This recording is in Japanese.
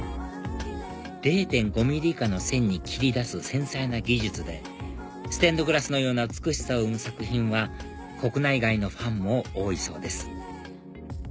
０．５ｍｍ以下の線に切り出す繊細な技術でステンドグラスのような美しさを生む作品は国内外のファンも多いそうです